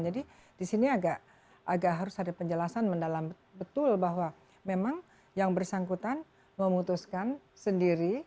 jadi di sini agak harus ada penjelasan mendalam betul bahwa memang yang bersangkutan memutuskan sendiri